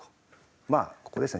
まあここですね。